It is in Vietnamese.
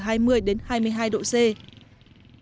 cảm ơn các bạn đã theo dõi và hẹn gặp lại